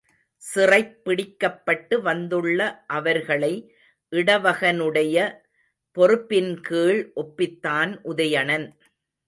சிறைப் பிடிக்கப்பட்டு வந்துள்ள அவர்களை இடவகனுடைய பொறுப்பின்கீழ் ஒப்பித்தான் உதயணன்.